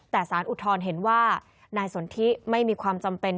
แต่สารอุทธรณ์เห็นว่านายสนทิไม่มีความจำเป็น